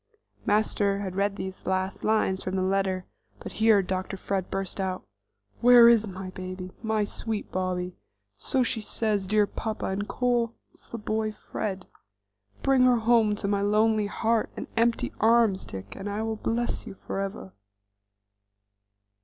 '" Master had read these last lines from the letter, but here Dr. Fred burst out: "Where is my baby; my sweet Bobby? So she says 'dear papa,' and calls the boy Fred! Bring her home to my lonely heart and empty arms, Dick, and I'll bless you forever."